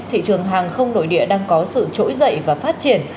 thị trường hàng không nội địa đang có sự trỗi dậy và phát triển